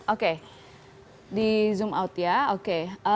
oke di zoom out ya oke